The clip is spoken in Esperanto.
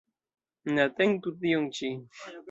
Neatentu tion ĉi.